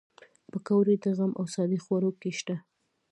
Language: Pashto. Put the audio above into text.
پکورې د غم او ښادۍ خوړو کې شته